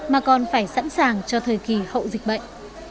mà còn phải sẵn sàng cho thời kỳ hậu dịch bệnh